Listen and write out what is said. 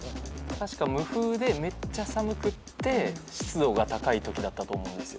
確か無風でめっちゃ寒くって湿度が高いときだったと思うんですよ